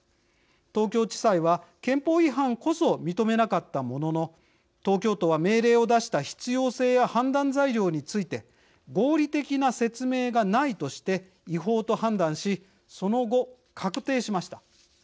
東京地裁は憲法違反こそ認めなかったものの東京都は命令を出した必要性や判断材料について合理的な説明がないとして違法と判断しその後、確定しました。